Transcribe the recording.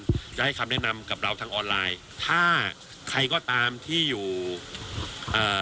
จะให้คำแนะนำกับเราทางออนไลน์ถ้าใครก็ตามที่อยู่เอ่อ